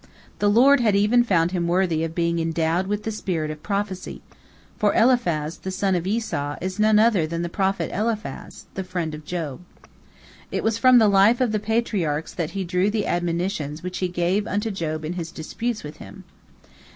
The Lord had even found him worthy of being endowed with the spirit of prophecy, for Eliphaz the son of Esau is none other than the prophet Eliphaz, the friend of Job. It was from the life of the Patriarchs that he drew the admonitions which he gave unto Job in his disputes with him.